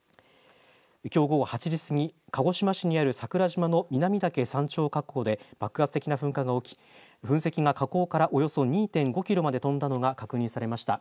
きょう午後８時過ぎ鹿児島市にある桜島の南岳山頂火口で爆発的な噴火が起き噴石が火口からおよそ２．５キロまで飛んだのが確認されました。